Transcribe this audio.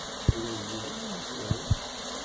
Ula d Yuba d amezraw.